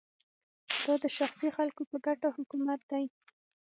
دا د شخصي خلکو په ګټه حکومت دی